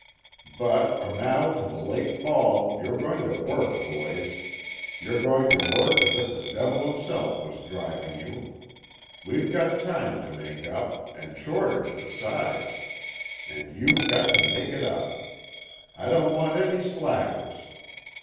But from now to the late fall you're going to work, boys, you're going to work as if the devil himself was driving you. We've got time to make up, and shortage besides, and you've got to make it up. I don't want any slackers.